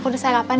aku udah sarapan